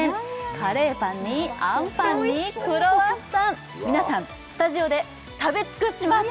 カレーパンにあんパンにクロワッサン皆さんスタジオで食べ尽くします！